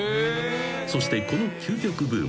［そしてこの究極ブーム］